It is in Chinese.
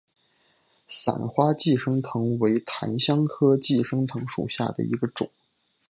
伞花寄生藤为檀香科寄生藤属下的一个种。